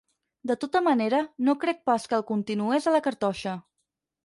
De tota manera, no crec pas que el continués a la cartoixa.